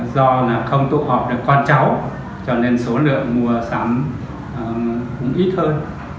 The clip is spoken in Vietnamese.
do không tụ hợp được con cháu cho nên số lượng mua sắm cũng ít hơn